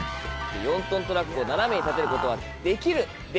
４トントラックを斜めに立てることはできる？できない？